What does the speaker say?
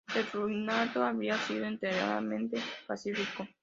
Su reinado habría sido enteramente pacífico.